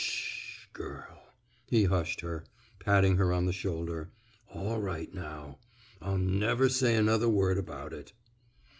S sh, girl," he hushed her, patting her on the shoulder. All right now. I'll never say another word about it."